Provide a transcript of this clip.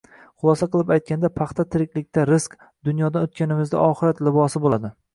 Xulosa qilib aytganda, paxta tiriklikda rizq, dunyodan o‘tganimizda oxirat libosi bo‘ladi